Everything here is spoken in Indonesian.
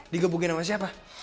digebukin sama siapa